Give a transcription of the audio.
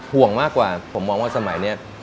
ห่วงมากกว่าผมมองว่าสมัยนี้